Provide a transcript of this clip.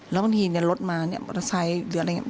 แล้วบางทีเนี่ยรถมาเนี่ยมอเตอร์ไซค์หรืออะไรอย่างนี้